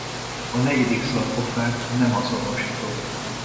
A negyedik szarkofág nem azonosított.